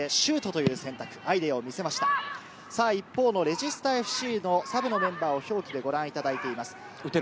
一方のレジスタＦＣのサブのメンバーを表記でご覧いただいています。